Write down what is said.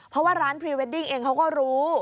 เพราะว่าร้านพรีเวดดิ้งเองเขาก็รู้